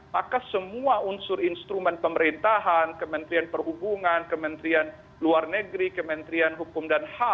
maka semua unsur instrumen pemerintahan kementerian perhubungan kementerian luar negeri kementerian hukum dan ham